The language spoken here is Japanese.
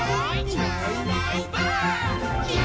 「いないいないばあっ！」